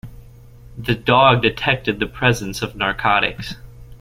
The dog detected the presence of narcotics.